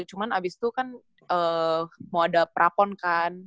cuman abis itu kan mau ada prapon kan